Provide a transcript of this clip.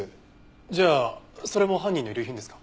じゃあそれも犯人の遺留品ですか？